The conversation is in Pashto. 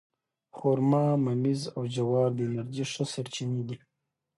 خرما، ممیز او جوار د انرژۍ ښه سرچینې دي.